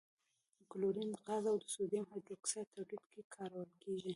د کلورین غاز او سوډیم هایدرو اکسایډ تولید کې کارول کیږي.